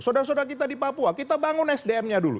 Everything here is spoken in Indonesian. saudara saudara kita di papua kita bangun sdm nya dulu